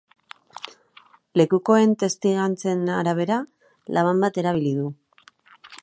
Lekukoen testigantzen arabera, laban bat erabili du.